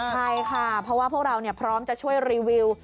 ใช่ค่ะเพราะว่าพวกเราพร้อมจะช่วยรีวิว